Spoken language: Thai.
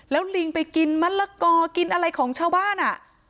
แล้วลิงไปกินมะละกอกินอะไรของชาวบ้านอ่ะ